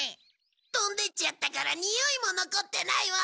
飛んでっちゃったからにおいも残ってないワン。